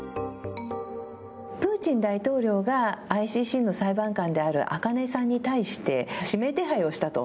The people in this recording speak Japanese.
プーチン大統領がＩＣＣの裁判官である赤根さんに対して指名手配をしたと。